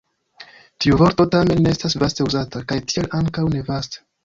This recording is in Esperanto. Tiu vorto tamen ne estas vaste uzata, kaj tial ankaŭ ne vaste.